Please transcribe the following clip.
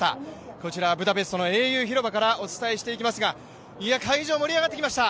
こちらブダペストの英雄広場からお伝えしていますが会場、盛り上がってきました。